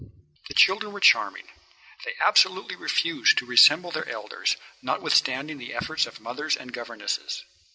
The children were charming. They absolutely refused to resemble their elders, notwithstanding the efforts of mothers and governesses.